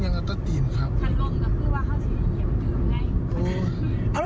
เอารถจีบลียกไหนเอา